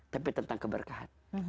tapi tentang keberkahan